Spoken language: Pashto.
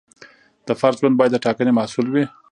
د فرد ژوند باید د ټاکنې محصول وي.